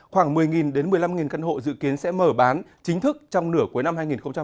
khoảng một mươi một mươi năm căn hộ dự kiến sẽ mở bán chính thức trong nửa cuối năm hai nghìn hai mươi